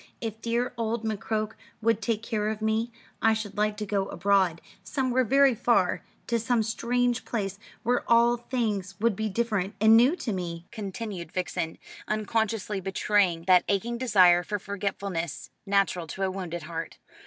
If dear old McCroke would take care of me I should like to go abroad, somewhere very far, to some strange place, where all things would be different and new to me," continued Vixen, unconsciously betraying that aching desire for forgetfulness natural to a wounded heart.